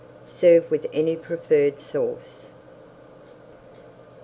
Serve with any preferred sauce.